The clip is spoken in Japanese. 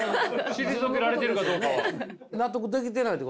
退けられてるかどうかは。